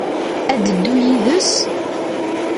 Ad d-teddu yid-s?